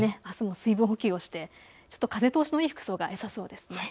水分補給をして風通しのいい服装がよさそうです。